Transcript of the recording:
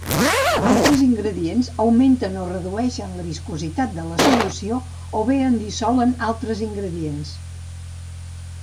Altres ingredients augmenten o redueixen la viscositat de la solució, o bé en dissolen altres ingredients.